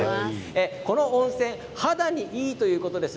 この温泉肌にいいということです。